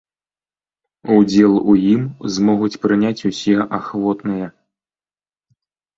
Удзел у ім змогуць прыняць усе ахвотныя.